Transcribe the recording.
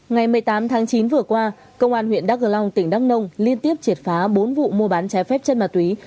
ngày một mươi tám tháng chín vừa qua công an huyện đắk cờ long tỉnh đắk nông liên tiếp triệt phá bốn vụ mua bán trái phép chất ma túy